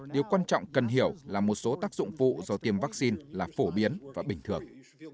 điều quan trọng cần hiểu là một số tác dụng phụ do tiêm vaccine là phổ biến và bình thường